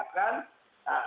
ego tekstural kita lembakan